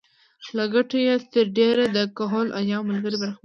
له ګټو یې تر ډېره د کهول اجاو ملګري برخمن وو.